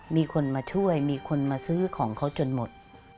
มีคนมาช่วยมีคนมาซื้อของเขาจนหมด